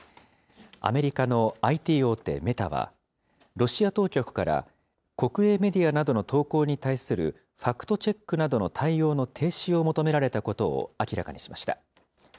アメリカのＩＴ大手、メタは、ロシア当局から、国営メディアなどの投稿に対するファクトチェックなどの対応の停止を求められたことを明らかにしました。